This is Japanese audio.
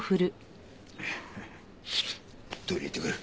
トイレ行ってくる。